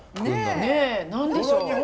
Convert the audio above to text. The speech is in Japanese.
ねえ何でしょう。